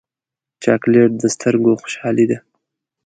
چاکلېټ د سترګو خوشحالي ده.